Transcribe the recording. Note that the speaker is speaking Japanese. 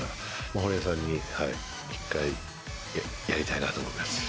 堀江さんに一回、やりたいなと思います。